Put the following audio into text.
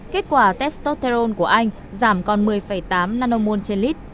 kết quả testosterone của anh giảm còn một mươi tám nanomol trên lít